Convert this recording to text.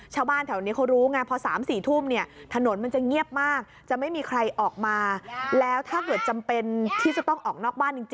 แล้วท่านเจ้าอาวาสเคยเจอไหมคะ